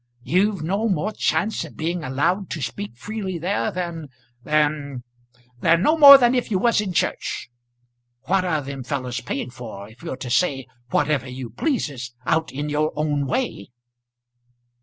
You've no more chance of being allowed to speak freely there than than than no more than if you was in church. What are them fellows paid for if you're to say whatever you pleases out in your own way?"